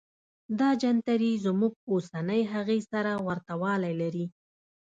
دا جنتري زموږ اوسنۍ هغې سره ورته والی لري.